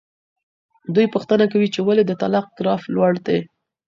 دوی پوښتنه کوي چې ولې د طلاق ګراف لوړ دی.